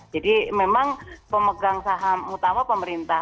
jadi memang pemegang saham utama pemerintah